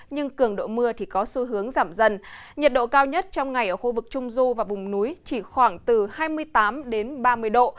nhiệt độ cao nhất trong ngày ở khu vực trung du và vùng núi chỉ khoảng từ hai mươi tám đến ba mươi độ